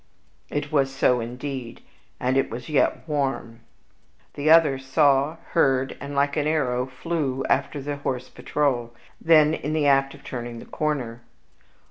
It was so, indeed, and it was yet warm. The other saw, heard, and like an arrow flew after the horse patrol, then in the act of turning the corner.